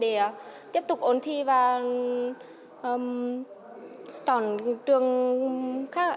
để tiếp tục ổn thi và tỏa trường khác